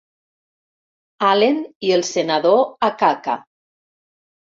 Allen i el senador Akaka.